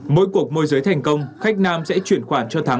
mỗi cuộc môi giới thành công khách nam sẽ chuyển khoản cho thắng